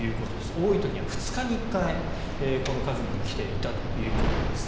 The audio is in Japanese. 多い時には２日に１回このカジノに来ていたということです。